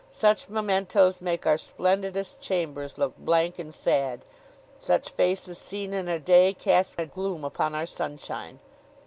Such mementoes make our splendidest chambers look blank and sad; such faces seen in a day cast a gloom upon our sunshine.